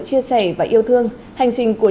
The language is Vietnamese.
chia sẻ và yêu thương hành trình của